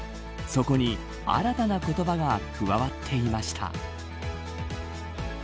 そこに新たな言葉が加わっていました。